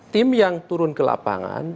tim yang turun ke lapangan